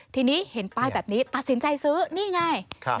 ทีนี้เห็นป้ายแบบนี้ตัดสินใจซื้อนี่ไง